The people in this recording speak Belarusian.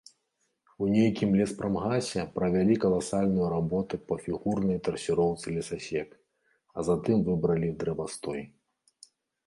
У нейкім леспрамгасе правялі каласальную работу па фігурнай трасіроўцы лесасек, а затым выбралі дрэвастой.